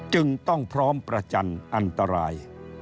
จึงต้องพร้อมประจันทร์อันตราย